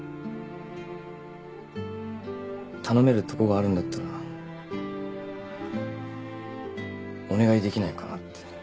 頼めるとこがあるんだったらお願いできないかなって。